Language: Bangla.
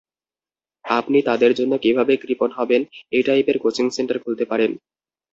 আপনি তাদের জন্য কীভাবে কৃপণ হবেন—এই টাইপের কোচিং সেন্টার খুলতে পারেন।